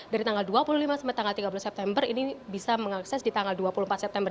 dari tanggal dua puluh lima sampai tanggal tiga belas september ini bisa mengakses di tanggal dua puluh empat september